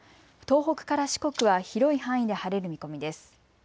東北から四国は広い範囲で晴れる見込みです。